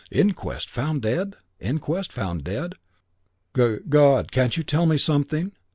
"Inquest? Found dead? Inquest? Found dead? Goo' God, can't you tell me something?